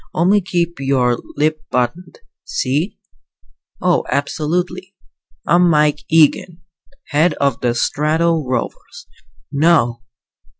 Only keep your lip buttoned, see?" "Oh, absolutely." "I'm Mike Eagen head of the Strato Rovers." "No!"